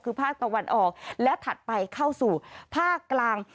คือภาคตะวันออกและถัดไปเข้าสู่ภาคกลาง